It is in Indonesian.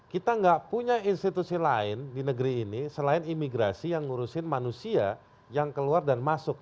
kita nggak punya institusi lain di negeri ini selain imigrasi yang ngurusin manusia yang keluar dan masuk